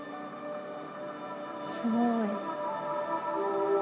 すごい。